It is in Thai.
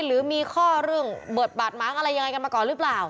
หรือมีข้อเรื่องเบิดบาดม้างอะไรยังไงกันมาก่อนหรือเปล่า